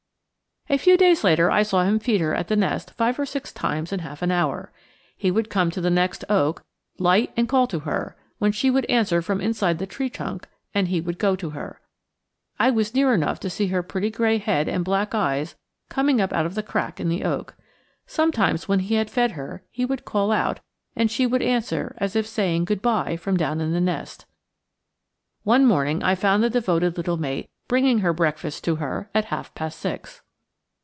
A few days later I saw him feed her at the nest five or six times in half an hour. He would come to the next oak, light and call to her, when she would answer from inside the tree trunk and he would go to her. I was near enough to see her pretty gray head and black eyes coming up out of the crack in the oak. Sometimes when he had fed her he would call out and she would answer as if saying good by from down in the nest. One morning I found the devoted little mate bringing her breakfast to her at half past six.